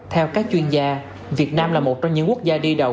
theo các chuyên gia việt nam là một trong những quốc gia đi đầu